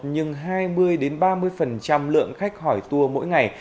nhưng hai mươi ba mươi lượng khách hỏi tour mỗi ngày